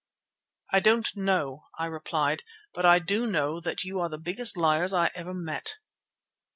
"I don't know," I replied, "but I do know that you are the biggest liars I ever met."